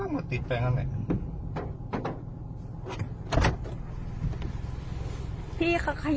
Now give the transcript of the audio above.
พี่เขาขยับแบบนี้บอกพูดกับเขาดี